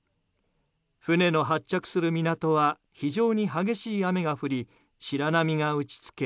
船の発着する港は非常に激しい雨が降り白波が打ち付け